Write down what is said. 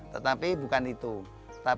tetapi selalu ada yang berhubungan dengan itu